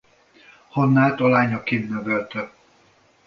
Hannát a lányaként nevelte.